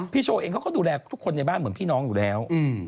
โชว์เองเขาก็ดูแลทุกคนในบ้านเหมือนพี่น้องอยู่แล้ว